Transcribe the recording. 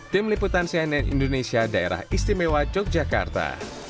tim liputan cnn indonesia daerah istimewa yogyakarta